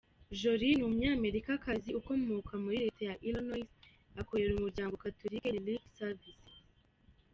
Jorie ni Umunyamerikakazi ukomoka muri Leta ya Illinois, akorera umuryango Catholic Relief Services.